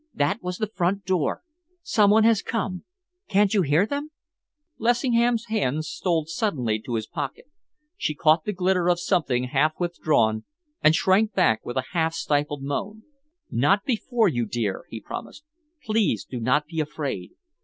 "That was the front door! Some one has come! Can't you hear them?" Lessingham's hand stole suddenly to his pocket. She caught the glitter of something half withdrawn, and shrank back with a half stifled moan. "Not before you, dear," he promised. "Please do not be afraid.